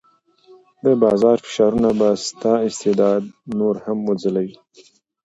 د بازار فشارونه به ستا استعداد نور هم وځلوي.